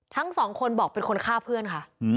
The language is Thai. ทั้งสองคนบอกเป็นคนฆ่าเพื่อนค่ะ